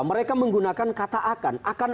mereka menggunakan kata akan